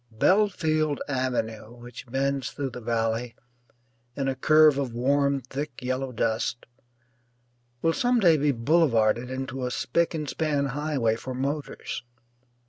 Belfield Avenue, which bends through the valley in a curve of warm thick yellow dust, will some day be boulevarded into a spick and span highway for motors.